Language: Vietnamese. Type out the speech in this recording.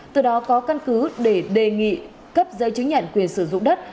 từ đó có căn cứ để đề nghị cấp giấy chứng nhận quyền sử dụng đất